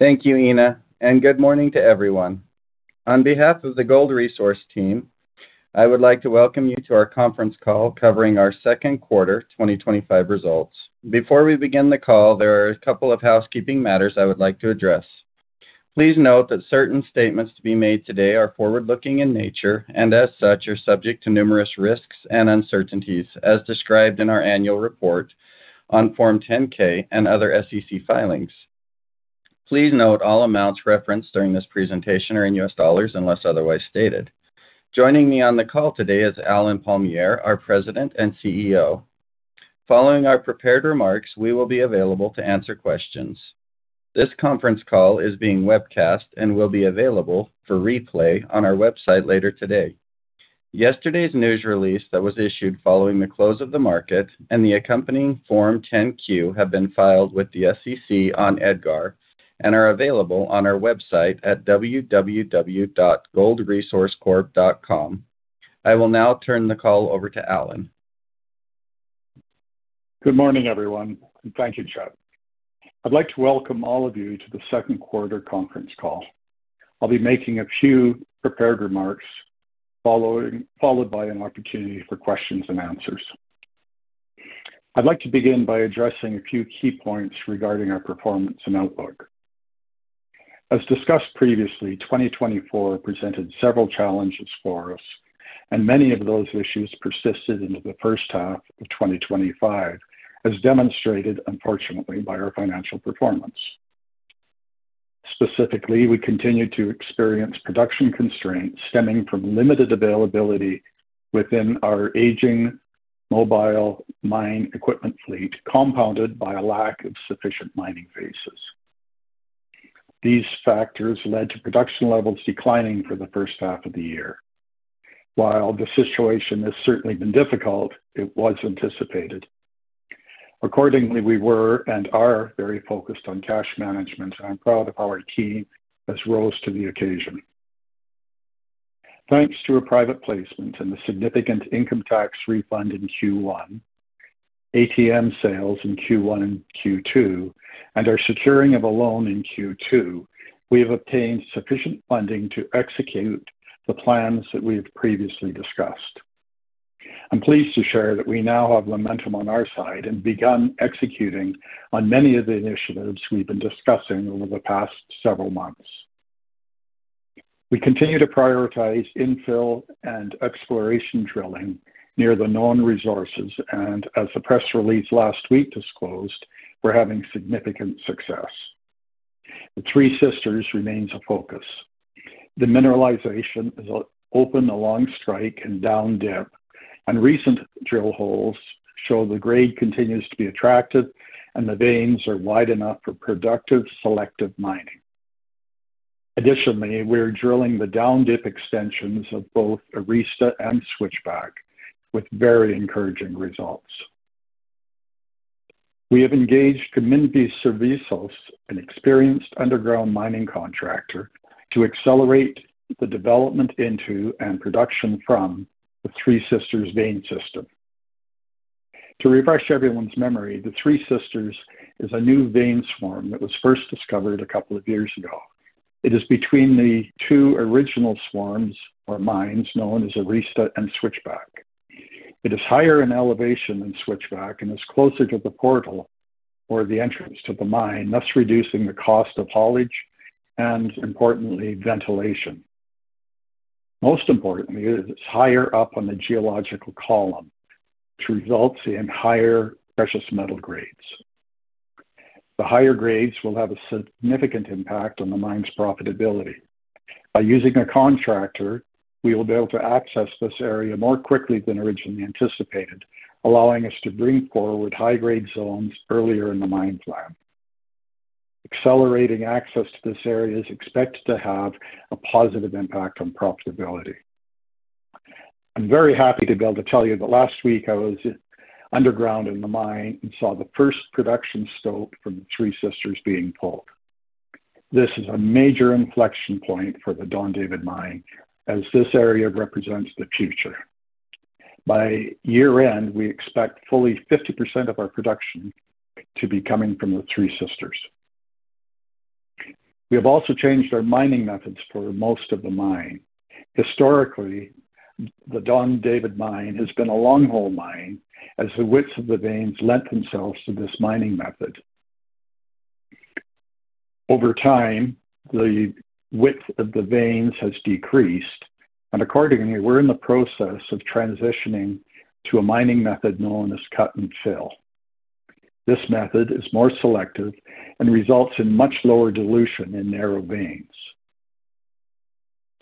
Thank you, Ina, and good morning to everyone. On behalf of the Gold Resource team, I would like to welcome you to our conference call covering our second quarter 2025 results. Before we begin the call, there are a couple of housekeeping matters I would like to address. Please note that certain statements to be made today are forward-looking in nature and as such, are subject to numerous risks and uncertainties as described in our annual report on Form 10-K and other SEC filings. Please note all amounts referenced during this presentation are in US dollars, unless otherwise stated. Joining me on the call today is Allen Palmiere, our President and CEO. Following our prepared remarks, we will be available to answer questions. This conference call is being webcast and will be available for replay on our website later today. Yesterday's news release that was issued following the close of the market and the accompanying Form 10-Q have been filed with the SEC on EDGAR and are available on our website at www.goldresourcecorp.com. I will now turn the call over to Allen Palmiere. Good morning, everyone, and thank you, Chet. I'd like to welcome all of you to the second quarter conference call. I'll be making a few prepared remarks followed by an opportunity for questions and answers. I'd like to begin by addressing a few key points regarding our performance and outlook. As discussed previously, 2024 presented several challenges for us, and many of those issues persisted into the first half of 2025, as demonstrated unfortunately by our financial performance. Specifically, we continued to experience production constraints stemming from limited availability within our aging mobile mine equipment fleet, compounded by a lack of sufficient mining phases. These factors led to production levels declining for the first half of the year. While the situation has certainly been difficult, it was anticipated. Accordingly, we were and are very focused on cash management. I'm proud of our team that rose to the occasion. Thanks to a private placement and the significant income tax refund in Q1, ATM sales in Q1 and Q2, our securing of a loan in Q2, we have obtained sufficient funding to execute the plans that we have previously discussed. I'm pleased to share that we now have momentum on our side and began executing on many of the initiatives we've been discussing over the past several months. We continue to prioritize infill and exploration drilling near the known resources. As the press release last week disclosed, we're having significant success. The Three Sisters remains a focus. The mineralization is open along strike and down dip. Recent drill holes show the grade continues to be attractive and the veins are wide enough for productive selective mining. Additionally, we're drilling the down dip extensions of both Arista and Switchback with very encouraging results. We have engaged Cominvi Servicios, an experienced underground mining contractor, to accelerate the development into and production from the Three Sisters vein system. To refresh everyone's memory, the Three Sisters is a new vein swarm that was first discovered two years ago. It is between the 2 original swarms or mines known as Arista and Switchback. It is higher in elevation than Switchback and is closer to the portal or the entrance to the mine, thus reducing the cost of haulage and importantly, ventilation. Most importantly, it is higher up on the geological column, which results in higher precious metal grades. The higher grades will have a significant impact on the mine's profitability. By using a contractor, we will be able to access this area more quickly than originally anticipated, allowing us to bring forward high-grade zones earlier in the mine plan. Accelerating access to this area is expected to have a positive impact on profitability. I'm very happy to be able to tell you that last week I was underground in the mine and saw the first production stope from Three Sisters being pulled. This is a major inflection point for the Don David mine as this area represents the future. By year-end, we expect fully 50% of our production to be coming from the Three Sisters. We have also changed our mining methods for most of the mine. Historically, the Don David Gold Mine has been a long-hole mine as the widths of the veins lent themselves to this mining method. Over time, the width of the veins has decreased, and accordingly, we're in the process of transitioning to a mining method known as cut and fill. This method is more selective and results in much lower dilution in narrow veins.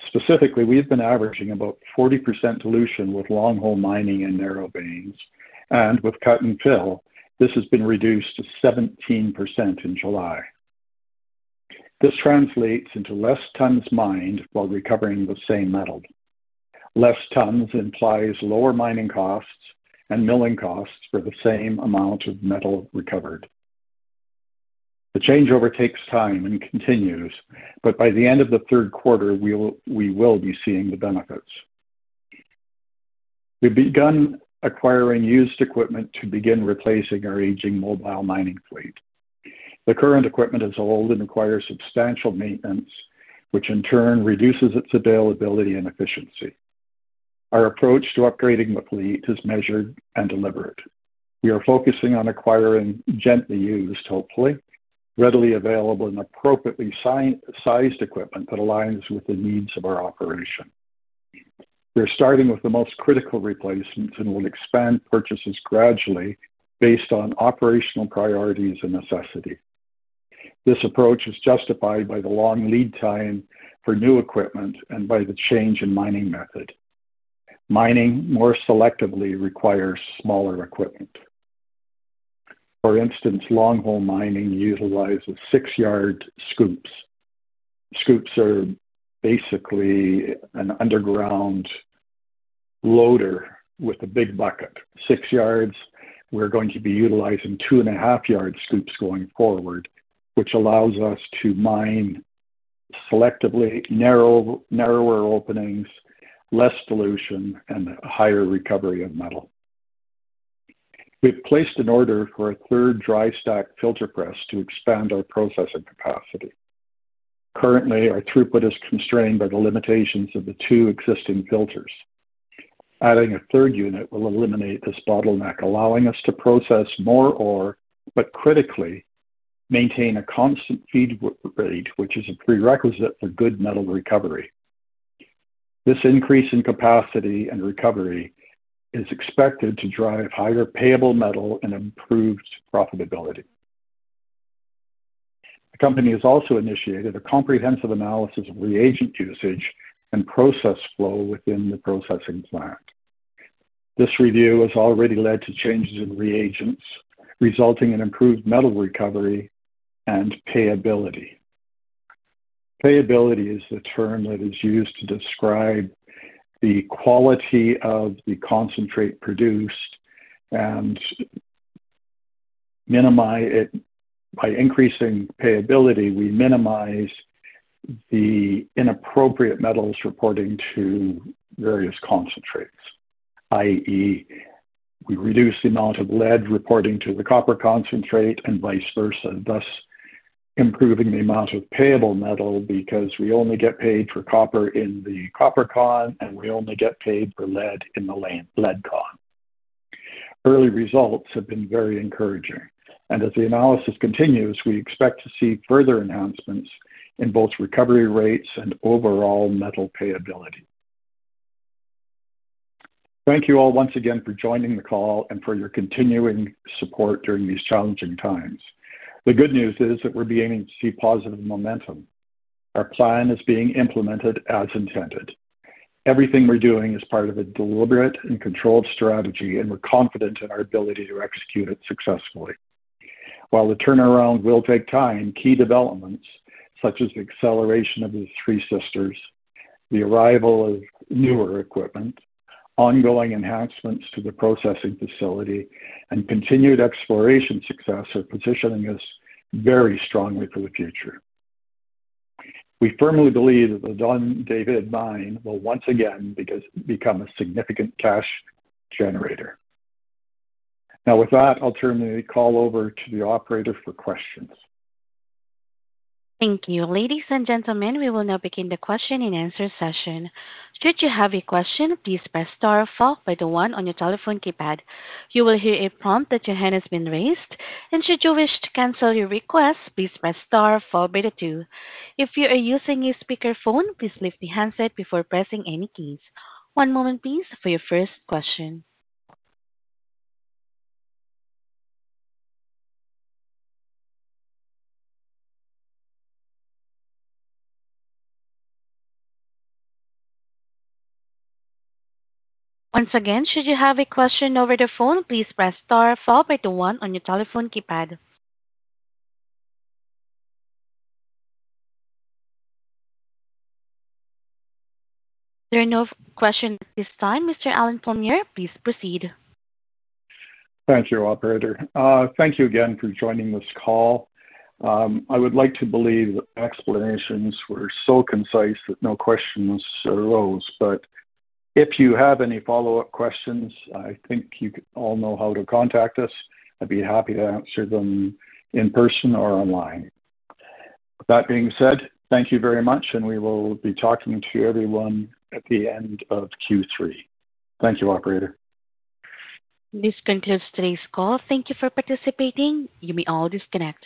Specifically, we have been averaging about 40% dilution with long-hole mining in narrow veins, and with cut and fill, this has been reduced to 17% in July. This translates into less tons mined while recovering the same metal. Less tons implies lower mining costs and milling costs for the same amount of metal recovered. The changeover takes time and continues. By the end of the third quarter, we will be seeing the benefits. We've begun acquiring used equipment to begin replacing our aging mobile mining fleet. The current equipment is old and requires substantial maintenance, which in turn reduces its availability and efficiency. Our approach to upgrading the fleet is measured and deliberate. We are focusing on acquiring gently used, hopefully, readily available, and appropriately sized equipment that aligns with the needs of our operation. We're starting with the most critical replacements and will expand purchases gradually based on operational priorities and necessity. This approach is justified by the long lead time for new equipment and by the change in mining method. Mining more selectively requires smaller equipment. For instance, long hole mining utilizes 6-yard scoops. Scoops are basically an underground loader with a big bucket, 6 yards. We're going to be utilizing two-and-a-half-yard scoops going forward, which allows us to mine selectively narrow, narrower openings, less dilution, and higher recovery of metal. We've placed an order for a third dry stack filter press to expand our processing capacity. Currently, our throughput is constrained by the limitations of the two existing filters. Adding a third unit will eliminate this bottleneck, allowing us to process more ore, but critically maintain a constant feed rate, which is a prerequisite for good metal recovery. This increase in capacity and recovery is expected to drive higher payable metal and improved profitability. The company has also initiated a comprehensive analysis of reagent usage and process flow within the processing plant. This review has already led to changes in reagents, resulting in improved metal recovery and payability. Payability is the term that is used to describe the quality of the concentrate produced and minimize it. By increasing payability, we minimize the inappropriate metals reporting to various concentrates, i.e., we reduce the amount of lead reporting to the copper concentrate and vice versa, thus improving the amount of payable metal because we only get paid for copper in the copper con, and we only get paid for lead in the lead con. Early results have been very encouraging, and as the analysis continues, we expect to see further enhancements in both recovery rates and overall metal payability. Thank you all once again for joining the call and for your continuing support during these challenging times. The good news is that we're beginning to see positive momentum. Our plan is being implemented as intended. Everything we're doing is part of a deliberate and controlled strategy, and we're confident in our ability to execute it successfully. While the turnaround will take time, key developments such as the acceleration of the Three Sisters, the arrival of newer equipment, ongoing enhancements to the processing facility, and continued exploration success are positioning us very strongly for the future. We firmly believe that the Don David Mine will once again become a significant cash generator. Now, with that, I'll turn the call over to the operator for questions. Thank you. Ladies and gentlemen, we will now begin the question and answer session. Should you have a question, please press star followed by the 1 on your telephone keypad. You will hear a prompt that your hand has been raised. Should you wish to cancel your request, please press star followed by the 2. If you are using a speakerphone, please lift the handset before pressing any keys. One moment please for your first question. Once again, should you have a question over the phone, please press star followed by the 1 on your telephone keypad. There are no questions at this time. Mr. Allen Palmiere, please proceed. Thank you, operator. Thank you again for joining this call. I would like to believe explanations were so concise that no questions arose. If you have any follow-up questions, I think you all know how to contact us. I'd be happy to answer them in person or online. That being said, thank you very much, and we will be talking to everyone at the end of Q3. Thank you, operator. This concludes today's call. Thank you for participating. You may all disconnect.